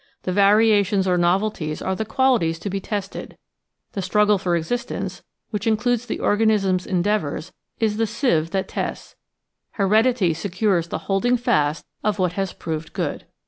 The variations or novelties are the quali ties to be tested; the struggle for existence, which includes the organism's endeavours, is the sieve that tests; heredity secures the holding fast of what has proved good.